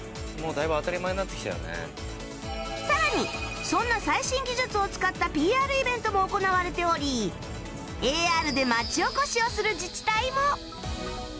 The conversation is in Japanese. さらにそんな最新技術を使った ＰＲ イベントも行われており ＡＲ で町おこしをする自治体も